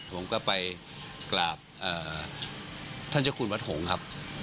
ผมก็ไปกราบท่านเจ้าคุณวัดหงษ์ครับ